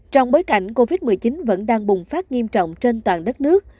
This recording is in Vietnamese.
trong bối cảnh covid một mươi chín vẫn đang bùng phát nghiêm trọng trên toàn đất nước